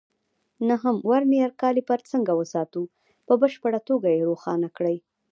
نهم: ورنیر کالیپر څنګه وساتو؟ په بشپړه توګه یې روښانه کړئ.